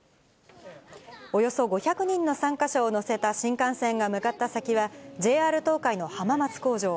およそ５００人の参加者を乗せた新幹線が向かった先は、ＪＲ東海の浜松工場。